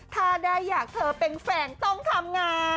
ถ้าได้อยากเธอเป็งแฝงต้องทำไง